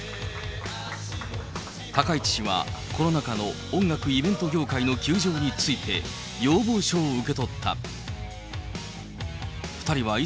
高市氏はコロナ禍の音楽イベント業界の窮状について、要望書を受け取った。